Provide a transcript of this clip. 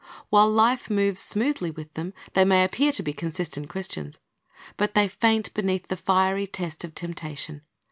While life moves smoothly with them, they may appear to be consistent Christians. But they faint beneath the fiery test of temptation.